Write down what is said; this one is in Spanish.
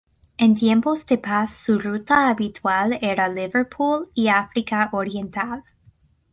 En tiempos de paz su ruta habitual era Liverpool y Africa oriental.